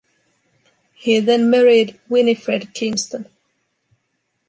He then married Winifred Kingston.